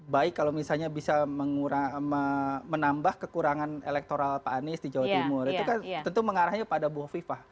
baik kalau misalnya bisa menambah kekurangan elektoral pak anies di jawa timur itu kan tentu mengarahnya pada bu hovifah